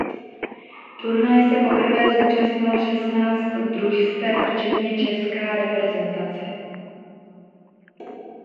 Turnaje se poprvé zúčastnilo šestnáct družstev včetně česká reprezentace.